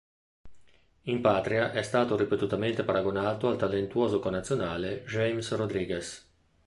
In patria è stato ripetutamente paragonato al talentuoso connazionale James Rodríguez.